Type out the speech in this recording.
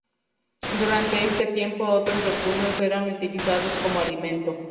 Durante este tiempo otros recursos eran utilizados como alimento.